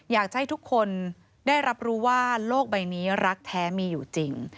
อยากให้ทุกคนได้รับรู้ว่าโลกใบนี้รักแท้มีอยู่จริง